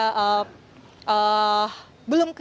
saya belum dapat keterangan